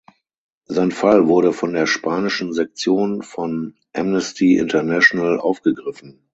Sein Fall wurde von der spanischen Sektion von Amnesty International aufgegriffen.